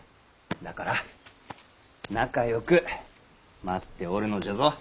だから仲よく待っておるのじゃぞ。